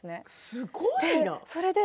すごいな。